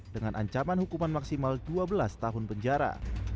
dengan ancaman hukuman maksimal dua belas tahun penjara